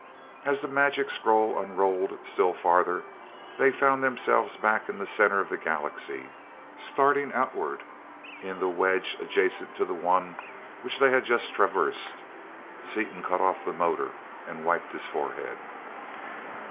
As the magic scroll unrolled still farther, they found themselves back in the center of the galaxy, starting outward in the wedge adjacent to the one which they had just traversed. Seaton cut off the motor and wiped his forehead.